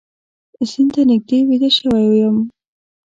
سیند ته نږدې ویده شوی یم